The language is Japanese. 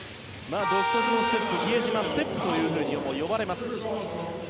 独特のステップで比江島ステップとも呼ばれます。